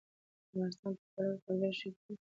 د افغانستان فوټبال ورځ تر بلې ښه کیږي.